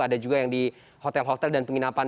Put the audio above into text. ada juga yang di hotel hotel dan penginapan